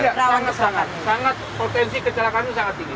iya sangat sangat sangat potensi kecelakaan itu sangat tinggi